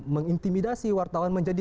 mengintimidasi wartawan menjadi